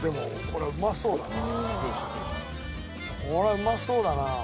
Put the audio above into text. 「これはうまそうだな」